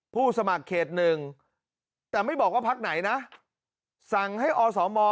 สมัครเขตหนึ่งแต่ไม่บอกว่าพักไหนนะสั่งให้อสม